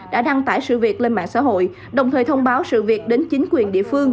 đã đăng tải sự việc lên mạng xã hội đồng thời thông báo sự việc đến chính quyền địa phương